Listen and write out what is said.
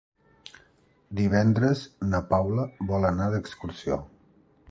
Divendres na Paula vol anar d'excursió.